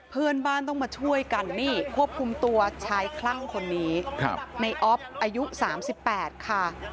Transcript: เพื่อนบ้านต้องมาช่วยกันนี่ควบคุมตัวชายคลั่งคนนี้ในออฟอายุ๓๘ค่ะ